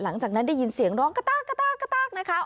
หลังจากนั้นได้ยินเสียงร้องกระตากกระตากนะคะ